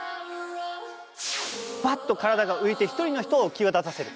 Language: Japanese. バッと体が浮いて１人の人を際立たせる。